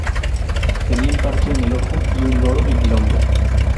tenían parche en el ojo y un loro en el hombro